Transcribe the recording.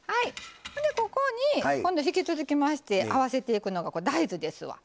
ここに今度引き続きまして合わせていくのが大豆ですわ。